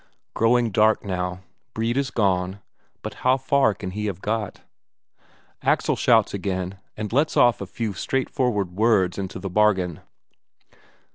Growing dark now. Brede is gone but how far can he have got? Axel shouts again, and lets off a few straightforward words into the bargain.